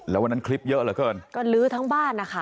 แล้ววันนั้นคลิปเยอะเหลือเกินก็ลื้อทั้งบ้านนะคะ